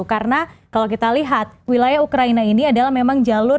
karena kalau kita lihat wilayah ukraina ini adalah memang jalur